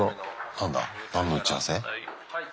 何の打ち合わせ？